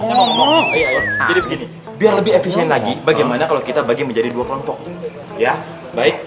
jadi begini biar lebih efisien lagi bagaimana kalau kita bagi menjadi dua kelompok ya baik